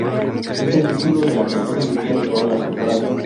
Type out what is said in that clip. Es el título de la canción inicial de todas las temporadas.